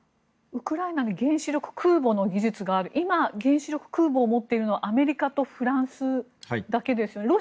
ウクライナに原子力空母の技術がある今、原子力空母を持っているのはアメリカとフランスだけですよね。